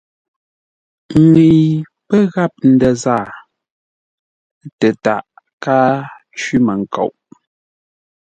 Ŋəi pə́ gháp ndə̂ zaa tətaʼ káa cwí-mənkoŋ.